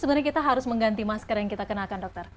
sebenarnya kita harus mengganti masker yang kita kenakan dokter